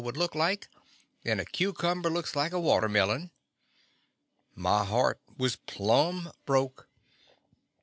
would look like, than a cucumber looks like a water melon. My heart was plumb broke.